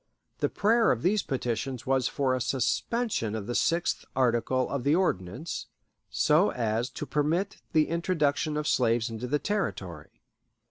The prayer of these petitions was for a suspension of the sixth article of the Ordinance, so as to permit the introduction of slaves into the Territory.